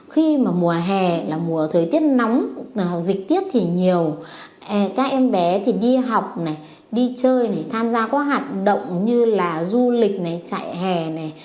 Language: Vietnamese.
khi mà mùa hè là mùa thời tiết nóng dịch tiết thì nhiều các em bé thì đi học này đi chơi này tham gia các hoạt động như là du lịch này chạy hè này